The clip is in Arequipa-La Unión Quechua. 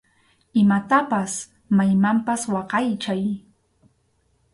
Imatapas maymanpas waqaychay.